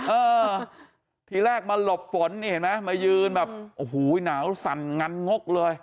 เออทีแรกมาหลบฝนนี่เห็นไหมมายืนแบบโอ้โหหนาวสั่นงันงกเลย